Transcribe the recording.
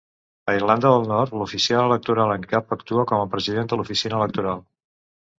A Irlanda del Nord, l'oficial electoral en cap actua com a president de l'oficina electoral.